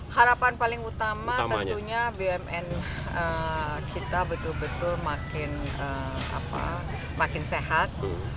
harapan paling utama tentunya bumn kita betul betul makin sehat